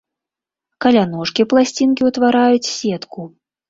Каля ножкі пласцінкі ўтвараюць сетку.